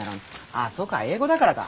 ああそうか英語だからか。